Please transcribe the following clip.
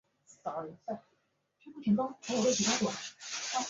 葵芳邨。